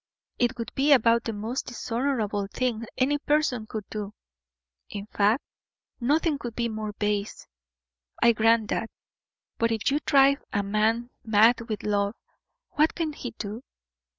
It would be about the most dishonorable thing any person could do; in fact, nothing could be more base; I grant that. But, if you drive a man mad with love, what can he do?